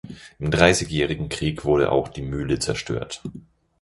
Im Dreißigjährigen Krieg wurde auch die Mühle zerstört.